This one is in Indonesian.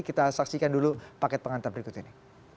kita saksikan dulu paket pengantar berikut ini